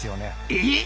えっ！？